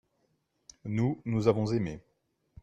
nous, nous avons aimé.